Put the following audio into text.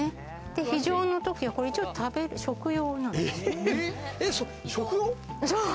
非常の時は、これ、一応食用なんです。